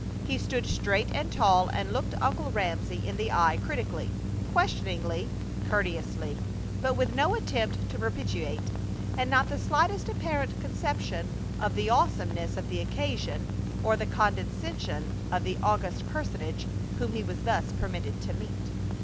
He stood straight and tall and looked Uncle Ramsey in the eye critically, questioningly, courteously, but with no attempt to propitiate; and not the slightest apparent conception of the awesomeness of the occasion or the condescension of the august personage whom he was thus permitted to meet.